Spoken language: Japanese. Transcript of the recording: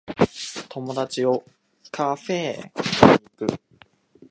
友達をカフェに行く